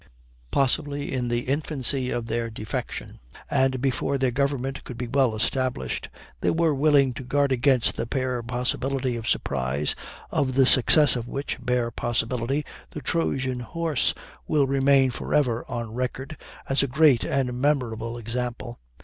Possibly, in the infancy of their defection, and before their government could be well established, they were willing to guard against the bare possibility of surprise, of the success of which bare possibility the Trojan horse will remain for ever on record, as a great and memorable example.